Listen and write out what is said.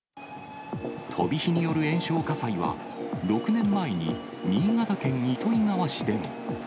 飛び火による延焼火災は、６年前に新潟県糸魚川市でも。